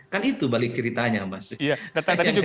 kan itu balik ceritanya mas